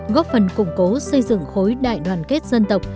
góp phần củng cố xây dựng khối đại đoàn kết dân tộc